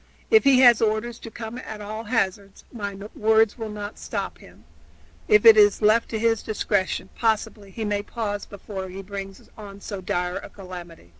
If he has orders to come at all hazards, my words will not stop him; if it is left to his discretion, possibly he may pause before he brings on so dire a calamity."